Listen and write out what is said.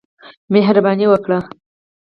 مهرباني وکړه !